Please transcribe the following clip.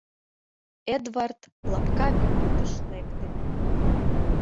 Эдвард лапка верандыш лекте.